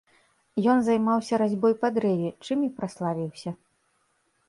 Ён займаўся разьбой па дрэве, чым і праславіўся.